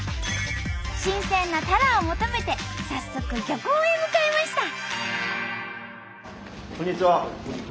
新鮮なタラを求めて早速漁港へ向かいました。